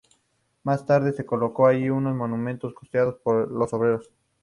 Más tarde se coloco allí un monumento costeado por los obreros.